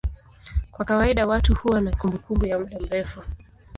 Kwa kawaida watu huwa na kumbukumbu ya muda mrefu.